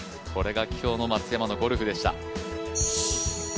これが今日の松山のゴルフでした。